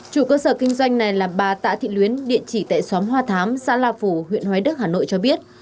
chủ cơ sở kinh doanh này là bà tạ thị luyến địa chỉ tại xóm hoa thám xã la phủ huyện hoài đức hà nội cho biết